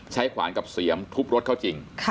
ขวานกับเสียมทุบรถเขาจริง